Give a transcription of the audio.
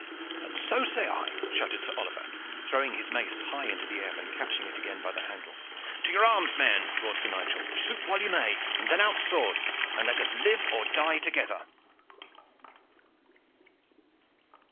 "And so say I!" shouted Sir Oliver, throwing his mace high into the air and catching it again by the handle. "To your arms, men!" roared Sir Nigel. "Shoot while you may, and then out sword, and let us live or die together!"